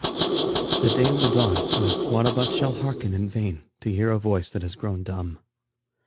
The day will dawn, when one of us shall hearken In vain to hear a voice that has grown dumb.